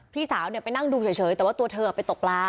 พี่สาวไปนั่งดูเฉยแต่ว่าตัวเธอไปตกปลา